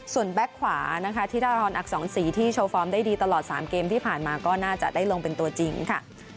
ส่วนแก๊กขวานะคะธิดาทรอักษรศรีที่โชว์ฟอร์มได้ดีตลอด๓เกมที่ผ่านมาก็น่าจะได้ลงเป็นตัวจริงค่ะ